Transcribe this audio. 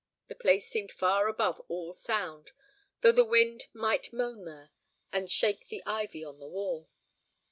The place seemed far above all sound, though the wind might moan there and shake the ivy on the wall.